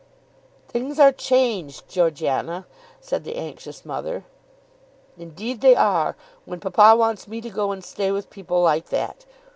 "Things are changed, Georgiana," said the anxious mother. "Indeed they are when papa wants me to go and stay with people like that.